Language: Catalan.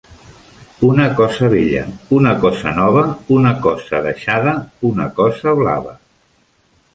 Una cosa vella, una cosa nova, una cosa deixada, una cosa blava.